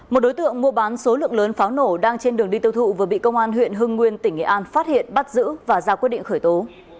một đối tượng mua bán số lượng lớn pháo nổ đang trên đường đi tiêu thụ vừa bị công an huyện hưng nguyên tỉnh nghệ an phát hiện bắt giữ và ra quyết định khởi tố